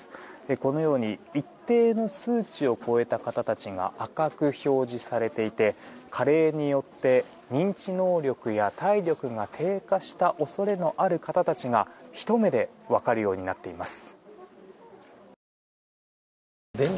このように一定の数値を超えた方たちが赤く表示されていて加齢によって認知能力や体力が低下した恐れのある方たちがひと目で分かるようになっています。